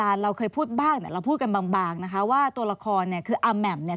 เราเคยพูดบ้างเนี่ยเราพูดกันบางบางนะคะว่าตัวละครเนี่ยคืออาแหม่มเนี่ย